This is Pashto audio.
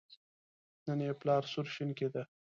نن یې پلار سور شین کېده.